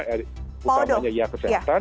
pada utamanya ya kesehatan